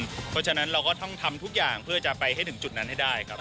เพราะฉะนั้นเราก็ต้องทำทุกอย่างเพื่อจะไปให้ถึงจุดนั้นให้ได้ครับ